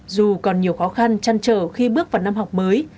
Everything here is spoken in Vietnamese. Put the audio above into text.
dù còn nhiều khó khăn chăn trở khi bước vào năm học mới